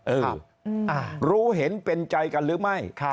รู้เห็นเป็นใจกันหรือไม่